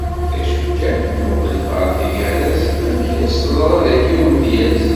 D acu kan, muqlet ɣer taggara-s amek i as-teḍṛa dagi i umedyaz.